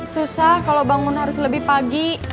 susah kalau bangun harus lebih pagi